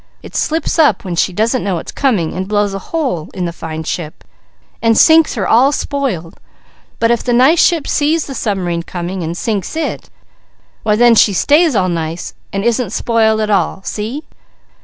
It slips up when she doesn't know it's coming, and blows a hole in the fine ship and sinks her all spoiled. But if the nice ship sees the subm'rine coming and sinks it, why then she stays all nice, and isn't spoiled at all. See?"